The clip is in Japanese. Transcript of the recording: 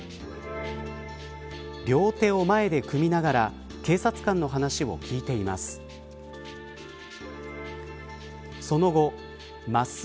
両手を前で組みながら警察官の話を聞いています。